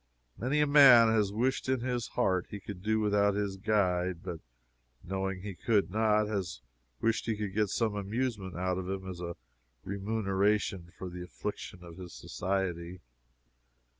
Many a man has wished in his heart he could do without his guide; but knowing he could not, has wished he could get some amusement out of him as a remuneration for the affliction of his society.